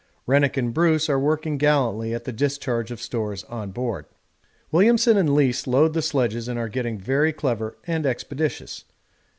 Rennick and Bruce are working gallantly at the discharge of stores on board. Williamson and Leese load the sledges and are getting very clever and expeditious.